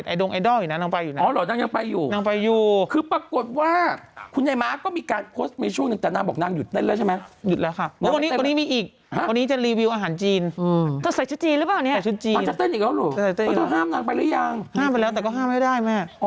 ดงไอดอลอยู่นะนางไปอยู่นะอ๋อเหรอนางยังไปอยู่นางไปอยู่คือปรากฏว่าคุณยายม้าก็มีการโพสต์มีช่วงหนึ่งแต่นางบอกนางหยุดเต้นแล้วใช่ไหมหยุดแล้วค่ะวันนี้มีอีกวันนี้จะรีวิวอาหารจีนเธอใส่ชุดจีนหรือเปล่าเนี่ยใส่ชุดจีนมันจะเต้นอีกแล้วเหรอเธอห้ามนางไปหรือยังห้ามไปแล้วแต่ก็ห้ามไม่ได้แม่